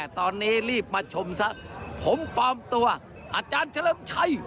ตอนนี้รีบมาชมซะผมปลอมตัวอาจารย์เฉลิมชัย